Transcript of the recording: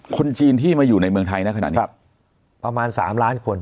คนจีนที่มาอยู่ในเมืองไทยนะขนาดนี้ครับประมาณ๓ล้านคน